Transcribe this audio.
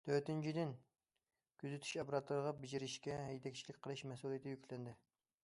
تۆتىنچىدىن، كۆزىتىش ئاپپاراتلىرىغا بېجىرىشكە ھەيدەكچىلىك قىلىش مەسئۇلىيىتى يۈكلەندى.